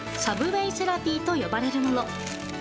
サブウェイセラピーと呼ばれるもの。